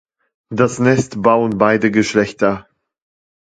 Das Nest bauen beide Geschlechter.